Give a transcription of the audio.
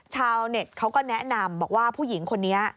ชาวเน็ตเขาก็แนะนำบอกว่าผู้หญิงคนนี้